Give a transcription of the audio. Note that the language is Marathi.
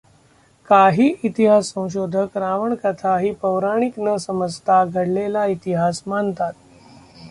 काहीं इतिहास संशोधक रावणकथा ही पौराणिक न समजता घडलेला इतिहास मानतात.